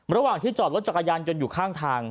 ระหว่างที่จอดรถจักรยานยนต์อยู่ข้างทาง